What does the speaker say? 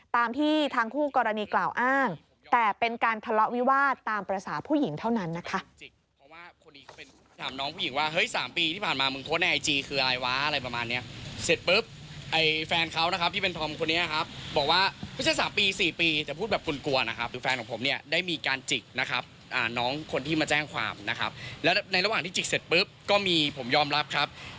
ตามที่ทางคู่กรณีกล่าวอ้างแต่เป็นการทะเลาะวิวาสตามภาษาผู้หญิงเท่านั้นนะคะ